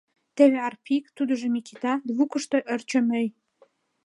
Теве — Арпик, тудыжо — Микита, лукышто — Ӧрчӧмӧй...